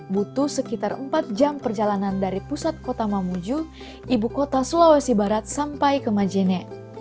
butuh sekitar empat jam perjalanan dari pusat kota mamuju ibu kota sulawesi barat sampai ke majene